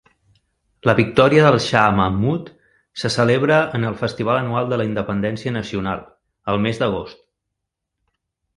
La victòria del Shah Mahmud se celebra en el festival anual de la independència nacional, el mes d'agost.